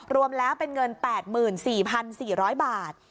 รวมแล้วเป็นเงิน๘๔๔๐๐บาท